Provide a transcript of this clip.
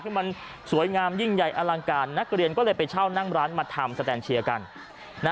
คือมันสวยงามยิ่งใหญ่อลังการนักเรียนก็เลยไปเช่านั่งร้านมาทำสแตนเชียร์กัน